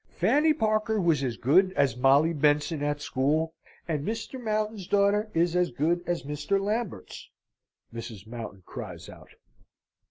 "Fanny Parker was as good as Molly Benson at school, and Mr. Mountain's daughter is as good as Mr. Lambert's!" Mrs. Mountain cries out.